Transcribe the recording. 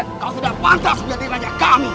kau sudah pantas menjadi raja kami